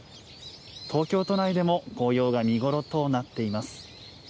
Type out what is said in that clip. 東京都内でも紅葉が見頃となっています。